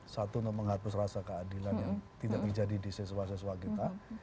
satu untuk menghapus rasa keadilan yang tidak terjadi di siswa siswa kita